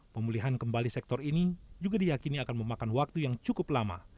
pemulihan kembali sektor ini juga diyakini akan memakan waktu yang cukup lama